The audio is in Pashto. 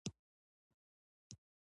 د سړي لاړې باد شوې.